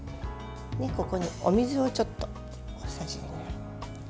ここにお水をちょっと大さじ２杯。